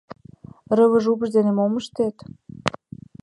- Рывыж упш дене мом ыштет?